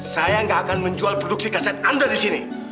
saya gak akan menjual produksi kaset anda disini